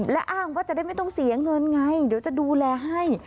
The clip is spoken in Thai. และอ้างว่าจะได้ไม่ต้องเสียเงินไงเดี๋ยวจะดูแลให้